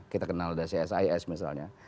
kita kenal udah csis misalnya